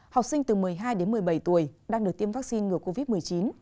học sinh từ một mươi hai đến một mươi bảy tuổi đang được tiêm vaccine ngừa covid một mươi chín